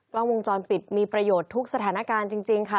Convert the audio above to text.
กล้องวงจรปิดมีประโยชน์ทุกสถานการณ์จริงค่ะ